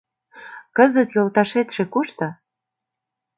— Кызыт йолташетше кушто?